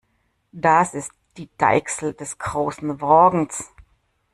Das ist die Deichsel des Großen Wagens.